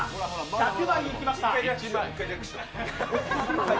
１００枚いきました。